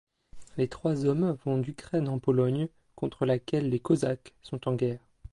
Les trois hommes vont d'Ukraine en Pologne, contre laquelle les Cosaques sont en guerre.